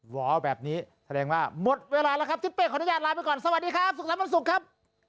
วอแบบนี้แสดงว่าหมดเวลาแล้วครับทิศเป้ขออนุญาตลาไปก่อนสวัสดีครับศุกร์แล้ววันศุกร์ครับ